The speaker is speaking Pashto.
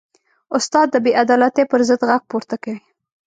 استاد د بېعدالتۍ پر ضد غږ پورته کوي.